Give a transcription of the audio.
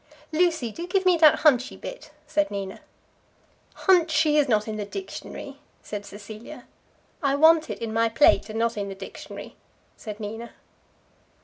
"Lucy, do give me that hunchy bit," said Nina. "Hunchy is not in the dictionary," said Cecilia. "I want it in my plate, and not in the dictionary," said Nina.